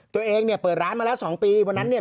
ตัวเองเนี่ยเปิดร้านมาแล้ว๒ปีวันนั้นเนี่ย